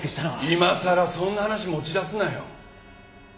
今さらそんな話持ち出すなよ。